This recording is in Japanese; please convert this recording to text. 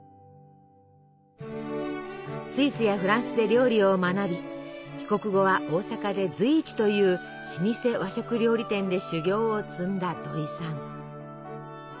スイスやフランスで料理を学び帰国後は大阪で随一という老舗和食料理店で修業を積んだ土井さん。